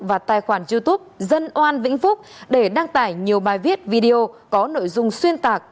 và tài khoản youtube dân oan vĩnh phúc để đăng tải nhiều bài viết video có nội dung xuyên tạc